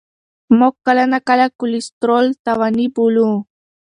موږ کله ناکله کلسترول تاواني بولو.